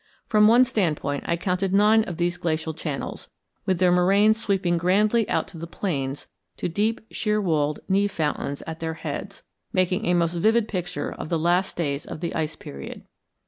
From one standpoint I counted nine of these glacial channels with their moraines sweeping grandly out to the plains to deep sheer walled névé fountains at their heads, making a most vivid picture of the last days of the Ice Period.